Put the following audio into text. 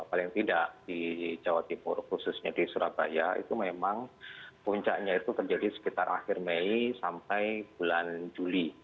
paling tidak di jawa timur khususnya di surabaya itu memang puncaknya itu terjadi sekitar akhir mei sampai bulan juli